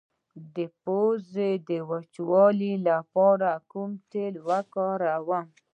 د پوزې د وچوالي لپاره کوم تېل وکاروم؟